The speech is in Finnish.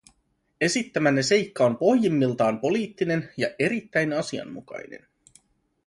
Esittämänne seikka on pohjimmiltaan poliittinen ja erittäin asianmukainen.